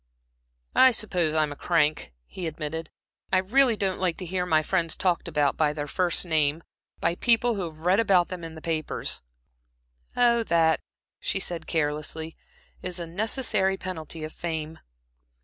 "I suppose I'm a crank," he admitted. "I really don't like to hear my friends talked about, by their first name by people who have read about them in the papers." "Oh, that," she said, carelessly "is a necessary penalty of fame."